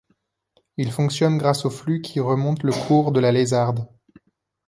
Il fonctionne grâce au flux qui remonte le cours de la Lézarde.